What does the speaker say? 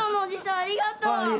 ああありがとう。